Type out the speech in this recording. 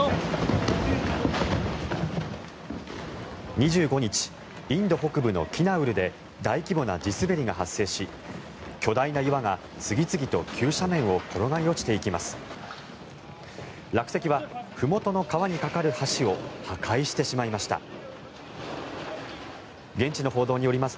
２５日、インド北部のキナウルで大規模な地滑りが発生し巨大な岩が次々と急斜面を転がり落ちていきます。